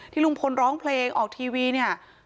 ลุงพลร้องเพลงออกทีวีเนี่ย